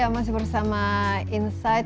masih bersama insight